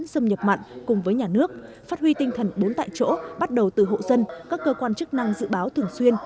xâm nhập mặn cùng với nhà nước phát huy tinh thần bốn tại chỗ bắt đầu từ hộ dân các cơ quan chức năng dự báo thường xuyên